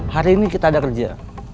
hari ini kita ada kerja